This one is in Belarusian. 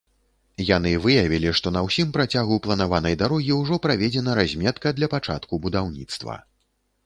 Яны выявілі, што на ўсім працягу планаванай дарогі ўжо праведзена разметка для пачатку будаўніцтва.